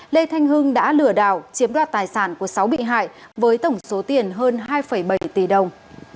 lê thanh hưng đã lừa đảo chiếm đoạt tài sản của sáu bị hại với tổng số tiền hơn hai bảy tỷ đồng